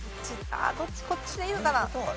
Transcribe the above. こっちでいいのかな？